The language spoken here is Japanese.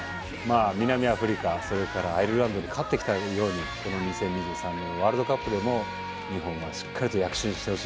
南アフリカそれからアイルランドに勝ってきたようにこの２０２３年ワールドカップでも日本はしっかりと躍進してほしいなというふうに思います。